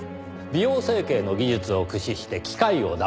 美容整形の技術を駆使して機械をだませるか。